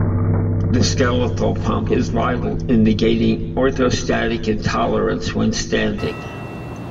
The skeletal pump is vital in negating orthostatic intolerance when standing.